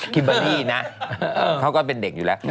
เบอรี่นะเขาก็เป็นเด็กอยู่แล้ว